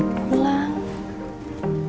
ini kincir aminnya bumi bunuh